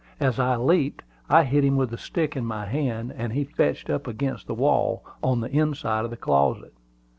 As he leaped, I hit him with the stick in my hand; and he fetched up against the wall, on the inside of the closet.